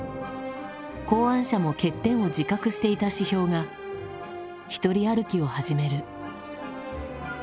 考案者も欠点を自覚していた指標が独り歩きを始める。